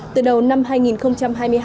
từ đầu năm hai nghìn hai mươi